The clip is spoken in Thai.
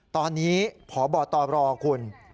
ตอนนี้ผอบตรรอคุณ